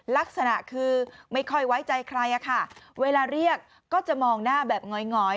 ลักษณะคือไม่ค่อยไว้ใจใครอะค่ะเวลาเรียกก็จะมองหน้าแบบหงอย